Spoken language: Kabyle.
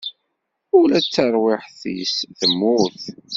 Ula d tarwiḥt-is temmut.